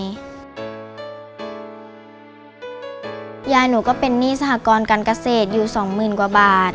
ยายหนูก็เป็นหนี้สหกรการเกษตรอยู่สองหมื่นกว่าบาท